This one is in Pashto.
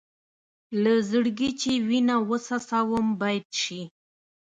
له زړګي چې وينه وڅڅوم بېت شي.